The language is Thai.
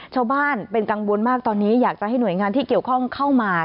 ชาวบ้านเป็นกังวลมากตอนนี้อยากจะให้หน่วยงานที่เกี่ยวข้องเข้ามา